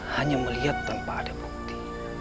hanya melihat tanpa ada bukti